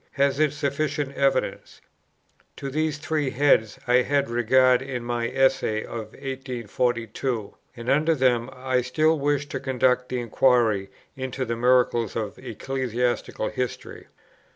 has it sufficient evidence? To these three heads I had regard in my Essay of 1842; and under them I still wish to conduct the inquiry into the miracles of Ecclesiastical History.